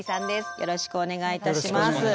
よろしくお願いします。